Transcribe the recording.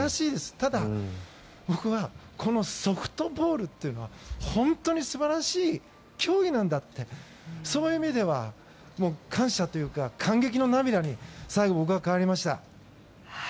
ただ、僕はソフトボールというのは本当に素晴らしい競技なんだってそういう意味では感謝というか感激の涙に最後、僕は変わりました。